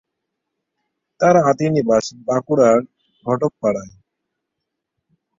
তার আদি নিবাস বাঁকুড়ার ঘটকপাড়ায়।